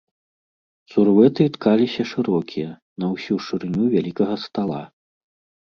Сурвэты ткаліся шырокія, на ўсю шырыню вялікага стала.